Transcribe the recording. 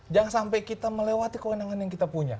jangan sampai kita melewati kewenangan yang kita punya